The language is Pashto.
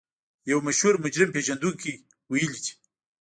يو مشهور مجرم پېژندونکي ويلي دي.